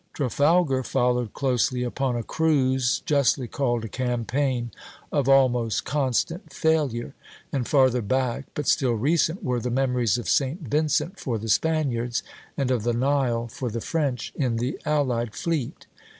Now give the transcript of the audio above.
Trafalgar followed closely upon a cruise, justly called a campaign, of almost constant failure; and farther back, but still recent, were the memories of St. Vincent for the Spaniards, and of the Nile for the French, in the allied fleet.